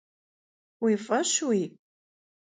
Vui f'eşui?